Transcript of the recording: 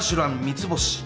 三つ星